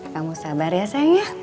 kamu sabar ya sayang ya